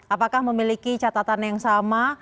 apakah memiliki catatan yang sama